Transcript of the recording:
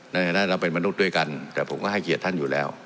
ในฐานะเราเป็นมนุษย์ด้วยกันแต่ผมก็ให้เกียรติท่านอยู่แล้ว